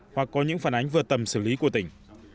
hoặc có những phản ánh vừa tầm xử lý của tỉnh